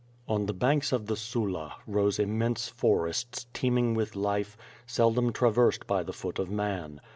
On the banks of the Sula, rose immense forests, teeming with life, seldom traversed by the foot of man.